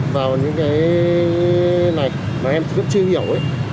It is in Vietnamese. vào những cái này mà em cũng chưa hiểu ấy